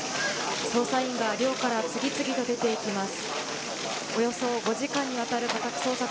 捜査員が寮から次々と出てきます。